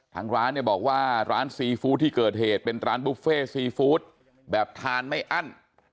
ทางร้านเนี่ยบอกว่าร้านซีฟู้ดที่เกิดเหตุเป็นร้านบุฟเฟ่ซีฟู้ดแบบทานไม่อั้น